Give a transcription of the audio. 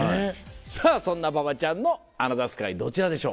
さぁそんな馬場ちゃんのアナザースカイどちらでしょう？